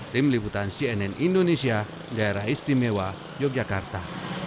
tim liputan cnn indonesia daerah istimewa yogyakarta